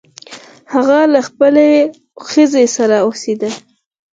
هغه له خپلې ښځې سره اوسیده.